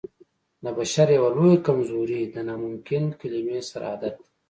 د بشر يوه لويه کمزوري د ناممکن کلمې سره عادت دی.